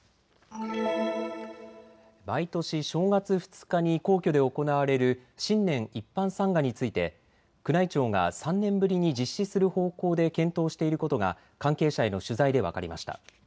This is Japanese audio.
毎年、正月２日に皇居で行われる新年一般参賀について宮内庁が３年ぶりに実施する方向で検討していることが関係者への取材で分かりました。